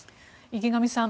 池上さん